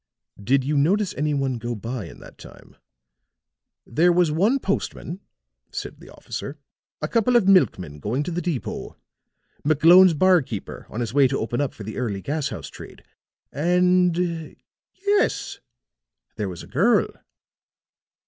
"Did you notice any one go by in that time?" "There was one postman," said the officer, "a couple of milkmen going to the depot, McGlone's barkeeper on his way to open up for the early gas house trade and yes, there was a girl."